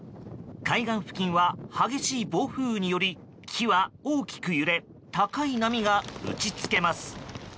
海岸付近は、激しい暴風雨により木は大きく揺れ高い波が打ち付けます。